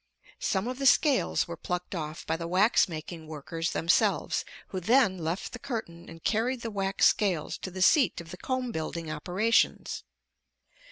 Some of the scales were plucked off by the wax making workers themselves, who then left the curtain and carried the wax scales to the seat of the comb building operations.